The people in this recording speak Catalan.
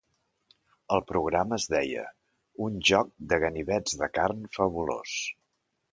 El programa es deia "Un joc de ganivets de carn fabulós".